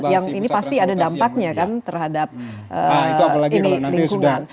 yang ini pasti ada dampaknya kan terhadap lingkungan